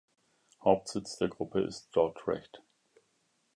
Hauptsitz der Gruppe ist Dordrecht.